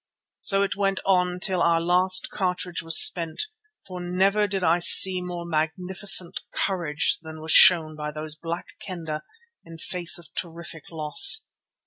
So it went on till our last cartridge was spent, for never did I see more magnificent courage than was shown by those Black Kendah in the face of terrific loss.